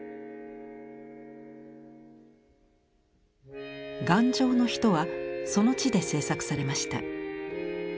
「岩上の人」はその地で制作されました。